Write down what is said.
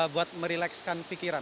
buat merelekskan pikiran